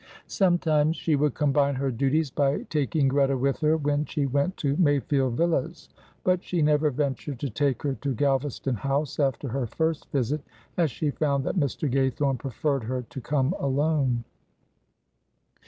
Sometimes she would combine her duties by taking Greta with her when she went to Mayfield Villas, but she never ventured to take her to Galvaston House after her first visit, as she found that Mr. Gaythorne preferred her to come alone.